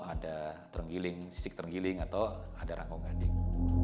ada sisik terenggiling atau ada rangkong gading